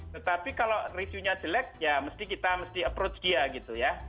tetapi kalau reviewnya jelek ya mesti kita mesti approach dia gitu ya